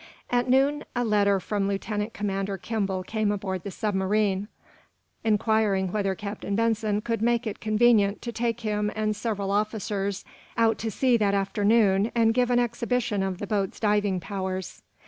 At noon a letter from Lieutenant Commander Kimball came aboard the submarine, inquiring whether Captain Benson could make it convenient to take him and several officers out to sea afternoon and give an exhibition of the boat's diving powers.